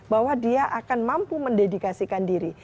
bahwa dia akan mampu mendedikasikan diri